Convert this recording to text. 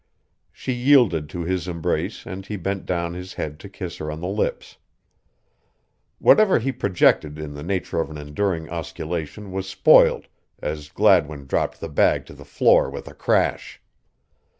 She yielded to his embrace and he bent down his head to kiss her on the lips. Whatever he projected in the nature of an enduring osculation was spoiled as Gladwin dropped the bag to the floor with a crash.